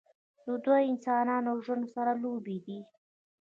د دوه انسانانو ژوند سره لوبې دي